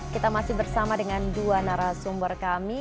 kita masih bersama dengan dua narasumber kami